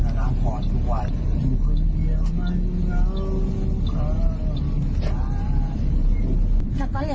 แล้วก็อย่าเอาทางซ้ายค่ะ